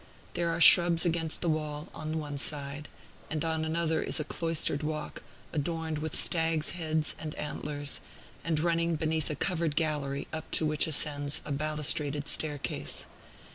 There are shrubs against the wall, on one side; and on another is a cloistered walk, adorned with stags' heads and antlers, and running beneath a covered gallery, up to which ascends a balustraded staircase.